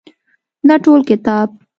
نه ټول کتاب.